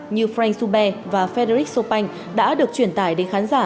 như frank soubert và frederic chopin đã được chuyển tài đến khán giả